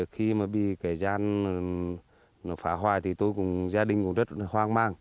khi mà bị cái dao phá hoại thì tôi cùng gia đình cũng rất hoang mang